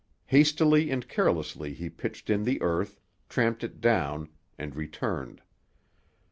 Hastily and carelessly he pitched in the earth, tramped it down, and returned.